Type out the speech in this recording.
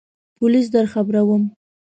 پولیس درخبروم !